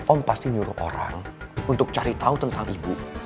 om pasti nyuruh orang untuk cari tahu tentang ibu